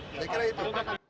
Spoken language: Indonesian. saya kira itu